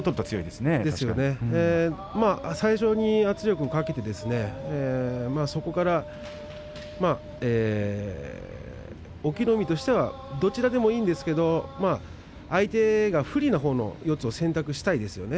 最初に圧力をかけてそこから隠岐の海としてはどちらでもいいんですが相手が不利なほうの四つを選択したんですよね。